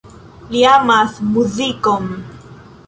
Li amas muzikon.